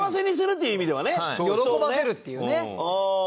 喜ばせるっていうね。